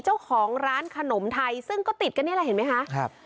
เจ้าของร้านขนมไทยซึ่งก็ติดกันนี่แหละเห็นไหมคะครับ